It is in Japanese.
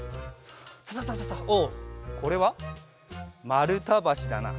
サササササおっこれはまるたばしだな。